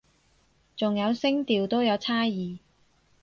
仲有聲調都有差異